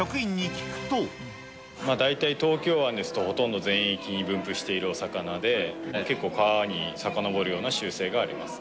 大体東京湾ですと、ほとんど全域に分布しているお魚で、結構、川にさかのぼるような習性があります。